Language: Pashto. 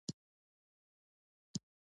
آزاد شعر په معاصره دوره کښي رواج وموند.